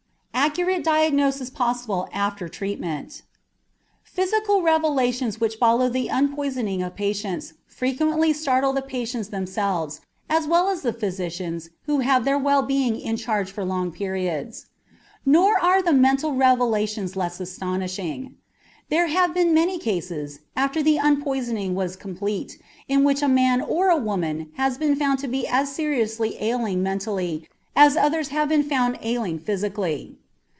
ACCURATE DIAGNOSIS POSSIBLE AFTER TREATMENT Physical revelations which follow the unpoisoning of patients frequently startle the patients themselves as well as the physicians who have their well being in charge for long periods. Nor are the mental revelations less astonishing. There have been many cases, after the unpoisoning was complete, in which a man or woman has been found to be as seriously ailing mentally as others have been found ailing physically.